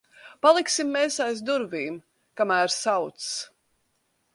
Paliksim mēs aiz durvīm, kamēr sauc.